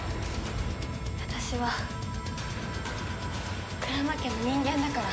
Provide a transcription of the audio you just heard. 私は鞍馬家の人間だから。